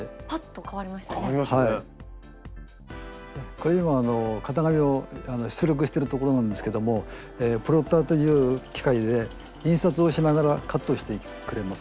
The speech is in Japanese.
これ今型紙を出力してるところなんですけどもプロッターという機械で印刷をしながらカットしてくれます。